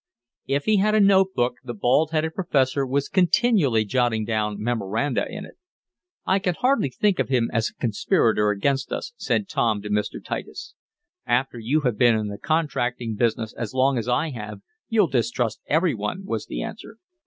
If he had a note book the bald headed professor was continually jotting down memoranda in it. "I can hardly think of him as a conspirator against us," said Tom to Mr. Titus. "After you have been in the contracting business as long as I have you'll distrust every one," was the answer.